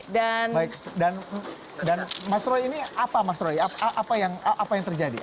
dan mas roy ini apa mas roy apa yang terjadi